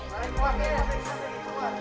terima kasih banyak banyak